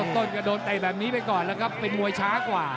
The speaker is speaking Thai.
ต้นกระโดดไตแบบนี้ไปก่อนนะครับเป็นมวยช้ากว่า